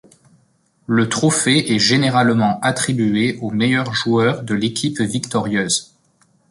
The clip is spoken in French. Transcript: Le trophée est généralement attribué au meilleur joueur de l’équipe victorieuse.